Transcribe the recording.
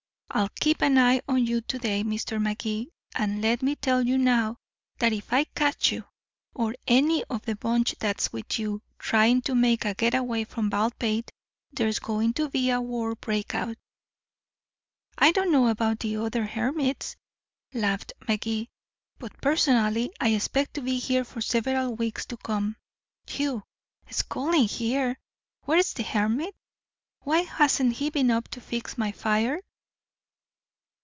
I'll keep an eye on you to day, Mr. Magee. And let me tell you now that if I catch you or any of the bunch that's with you trying to make a getaway from Baldpate, there's going to be a war break out." "I don't know about the other hermits," laughed Magee, "but personally, I expect to be here for several weeks to come. Whew! It's cold in here. Where's the hermit? Why hasn't he been up to fix my fire?"